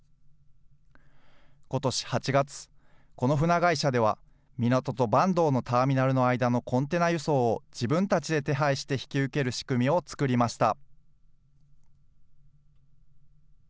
ことし８月、この船会社では、港と坂東のターミナルの間のコンテナ輸送を自分たちで手配して引き受ける仕組みを作りました。